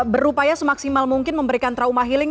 berupaya semaksimal mungkin memberikan trauma healing